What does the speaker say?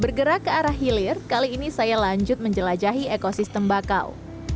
bergerak ke arah hilir kali ini saya lanjut menjelajahi ekosistem bakau